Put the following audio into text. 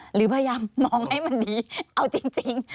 หรือพยายามมองให้มันดีเอาจริง